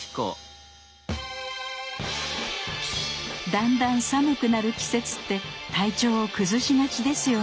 だんだん寒くなる季節って体調を崩しがちですよね。